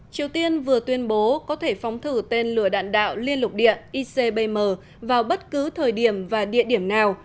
triều tiên vừa tuyên bố có thể phóng thử tên lửa đạn đạo liên lục địa icbm vào bất cứ thời điểm và địa điểm nào